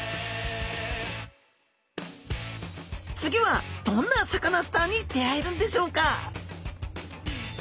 次はどんなサカナスターに出会えるんでしょうか？